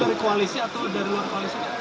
itu dari koalisi atau dari luar koalisi